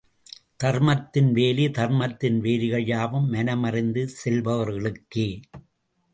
தர்மத்தின் வேலி தர்மத்தின் வேலிகள் யாவும் மனமறிந்து செல்பவர்களுக்கே.